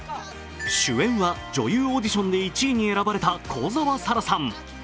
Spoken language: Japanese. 主演は女優オーディションで１位に選ばれた幸澤沙良さん。